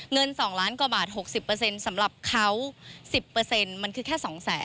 เงิน๒ล้านกว่าบาท๖๐สำหรับเขา๑๐มันคือแค่๒๐๐๐